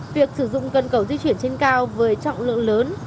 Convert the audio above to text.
việc sử dụng cân cẩu di chuyển trên cao với trọng lượng lớn